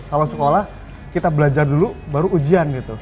kalau sekolah kita belajar dulu baru ujian gitu